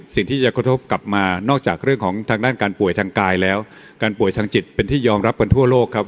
สิ่งที่จะกระทบกลับมานอกจากเรื่องของทางด้านการป่วยทางกายแล้วการป่วยทางจิตเป็นที่ยอมรับกันทั่วโลกครับ